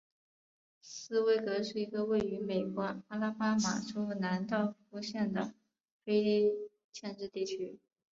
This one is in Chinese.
斯威格是一个位于美国阿拉巴马州兰道夫县的非建制地区。